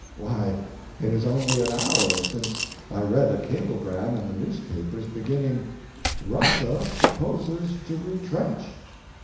Why, it is only an hour since I read a cablegram in the newspapers beginning "Russia Proposes to Retrench."